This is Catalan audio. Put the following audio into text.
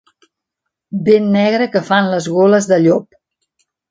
Ben negra que fan les goles de llop.